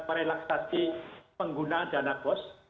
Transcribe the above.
penggunaan dana bos